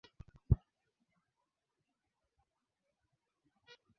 ndishi wetu emanuel elezar na taarifa zaidi